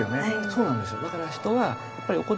そうなんですよ。